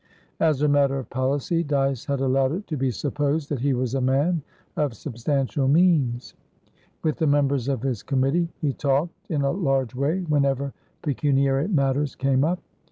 As a matter of policy, Dyce had allowed it to be supposed that he was a man of substantial means. With the members of his committee he talked in a large way whenever pecuniary matters came up.